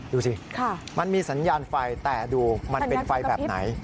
ดูสิมันมีสัญญาณไฟแต่ดูมันเป็นไฟแบบไหน